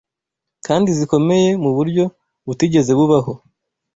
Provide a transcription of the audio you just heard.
kandi zikomeye mu buryo butigeze bubaho